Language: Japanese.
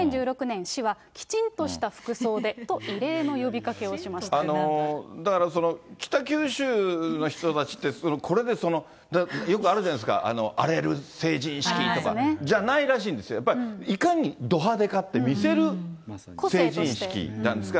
これを受けて２０１６年、市はきちんとした服装でと、異例の呼びだからその、北九州の人たちって、これでよくあるじゃないですか、荒れる成人式とか、じゃないらしいんですよ。いかにド派手かって見せる成人式なんですが。